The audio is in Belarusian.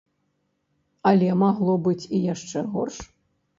Але магло быць і яшчэ горш.